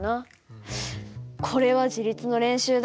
「これは自立の練習だ。